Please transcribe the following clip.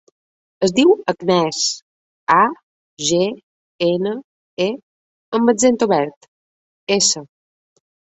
Es diu Agnès: a, ge, ena, e amb accent obert, essa.